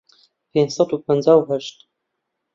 پێنج سەد و پەنجا و هەشت